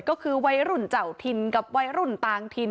ก็คือเวยรุ่นเจ่าธินกับเวยรุ่นตางธิน